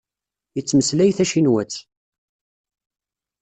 Yettmeslay tacinwat.